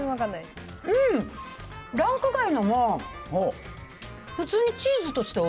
ランク外のも、普通にチーズうん。